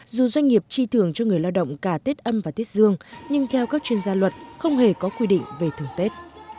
dù doanh nghiệp tri thưởng cho người lao động cả tết âm và tết dương nhưng theo các chuyên gia luật không hề có quy định về thưởng tết